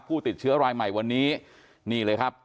ผู้ติดเชื้อรายใหม่วันนี้นี่เลยครับ